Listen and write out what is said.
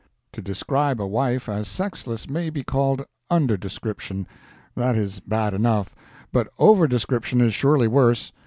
To describe a wife as sexless may be called under description; that is bad enough, but over description is surely worse.